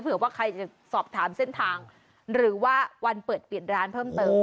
เผื่อว่าใครจะสอบถามเส้นทางหรือว่าวันเปิดเปลี่ยนร้านเพิ่มเติม